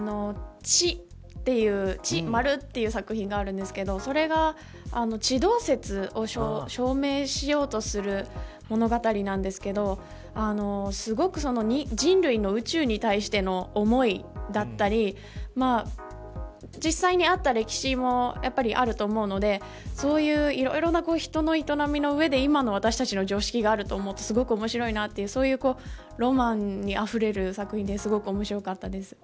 という作品があるんですけどそれが地動説を証明しようとする物語なんですけどすごく人類の宇宙に対しての思いだったり実際にあった歴史もあると思うのでそういういろいろな人の営みの上で今の私たちの常識があると思うとすごく面白いなというロマンにあふれる作品ですごく面白かったです。